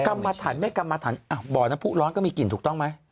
กรรมถันไม่กรรมถันบ่อน้ำผู้ร้อนก็มีกลิ่นถูกต้องไหม